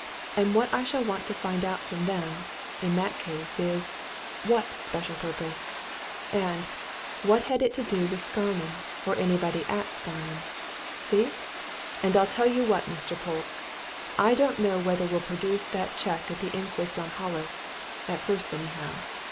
And what I shall want to find out from them, in that case, is what special purpose? And what had it to do with Scarnham, or anybody at Scarnham? See? And I'll tell you what, Mr. Polke I don't know whether we'll produce that cheque at the inquest on Hollis at first, anyhow.